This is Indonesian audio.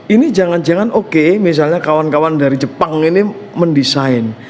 ini jangan jangan oke misalnya kawan kawan dari jepang ini mendesain